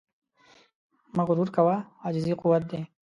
مه غرور کوه، عاجزي قوت دی.